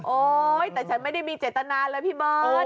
โอ๊ยแต่ฉันไม่ได้มีเจตนาเลยพี่เบิร์ต